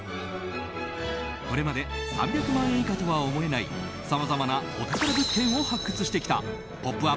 これまで３００万円以下とは思えないさまざまなお宝物件を発掘してきた「ポップＵＰ！」